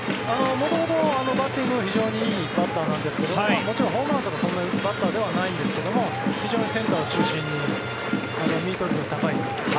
元々、バッティング非常にいいバッターなんですがもちろんホームランとかそんなに打つバッターではないんですが非常にセンター中心にミート率の高い。